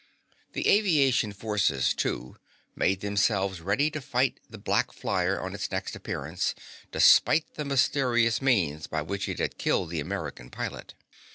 The aviation forces, too, made themselves ready to fight the black flyer on its next appearance, despite the mysterious means by which it had killed the American pilot.